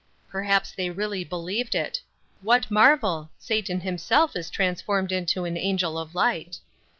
Perhaps they really believed it. What marvel? Satan himself is transformed into an angel of light.